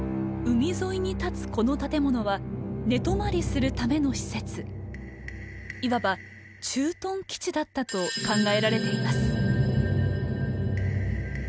海沿いに建つこの建物は寝泊まりするための施設いわば駐屯基地だったと考えられています。